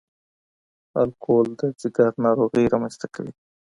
الکول د ځګر ناروغۍ رامنځ ته کوي.